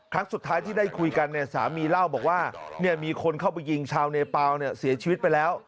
ครั้งสุดท้ายที่ได้คุยกันเนี่ยสามีเล่าบอกว่ามีคนเข้าไปยิงชาวเนเปล่าเนี่ยเสียชีวิตไปแล้ว